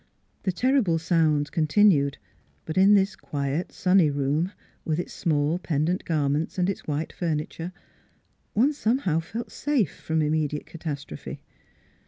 The terrible sounds continued, but in this quiet sunny room, with its small, pendant garments and its white furniture, one somehow felt safe from immediate catastrophe.